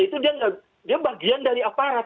itu dia bagian dari aparat